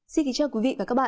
xin kính chào quý vị và các bạn